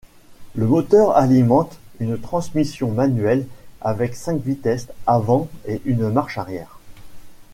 Le moteur alimente une transmission manuelle avec cinq vitesses avant et une marche arrière.